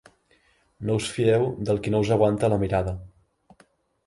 No us fieu del qui no us aguanta la mirada.